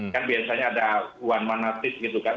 kan biasanya ada one man notice gitu kan